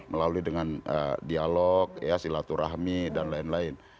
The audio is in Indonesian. melalui dengan dialog silaturahmi dan lain lain